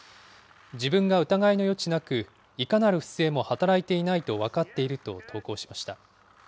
自分が疑いの余地なくいかなる不正も働いていないと分かっていると投稿しました。